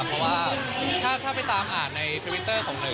เพราะว่าถ้าไปตามอ่านในทวิตเตอร์ของหนู